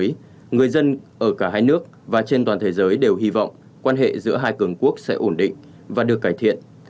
vì vậy người dân ở cả hai nước và trên toàn thế giới đều hy vọng quan hệ giữa hai cường quốc sẽ ổn định và được cải thiện